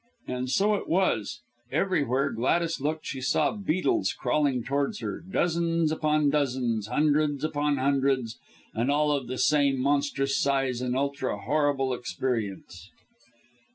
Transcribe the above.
And so it was. Everywhere Gladys looked she saw beetles crawling towards her dozens upon dozens, hundreds upon hundreds and all of the same monstrous size and ultra horrible appearance.